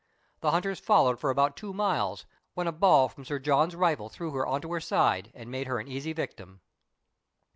The hunters followed for about two miles, when a ball from Sir John's rifle threw her on to her side, and made her an easy victim.